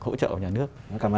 hỗ trợ của nhà nước